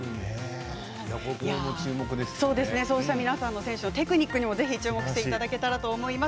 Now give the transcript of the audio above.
そうした選手の皆さんのテクニックにも注目していただけたらと思います。